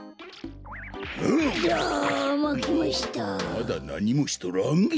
まだなにもしとらんげ？